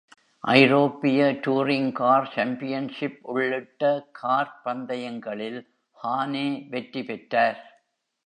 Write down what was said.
ஐரோப்பிய touring car championship உள்ளிட்ட car பந்தயங்களில் ஹானே வெற்றி பெற்றார்.